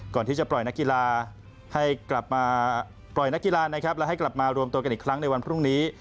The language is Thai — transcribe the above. ก่อนที่จะปล่อยนักกีฬาให้กลับมารวมตัวกันอีกครั้งในวันพรุ่งนี้